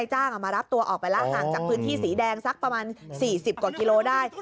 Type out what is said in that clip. ห่างจากพื้นที่สีแดงสักประมาณ๔๐กว่ากิโลได้